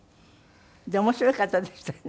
で面白い方でしたよね。